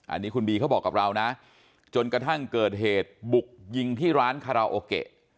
อันนี้คุณบีเขาบอกกับเรานะจนกระทั่งเกิดเหตุบุกยิงที่ร้านคาราโอเกะ